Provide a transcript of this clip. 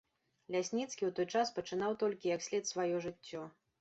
Лясніцкі ў той час пачынаў толькі як след сваё жыццё.